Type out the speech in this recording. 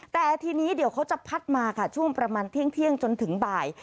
แต่ทีนี้เดี๋ยวเขาจะพัดมาค่ะช่วงประมาณเที่ยงจนถึงบ่าย